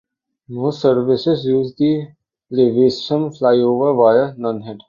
Most services use the Lewisham flyover via Nunhead.